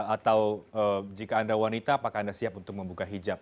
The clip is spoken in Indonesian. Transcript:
atau jika anda wanita apakah anda siap untuk membuka hijab